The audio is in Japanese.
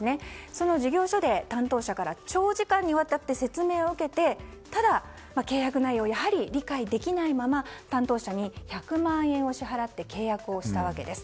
その事業所で担当者から長時間にわたって説明を受けてただ、契約内容やはり理解できないまま担当者に１００万円を支払って契約をしたわけです。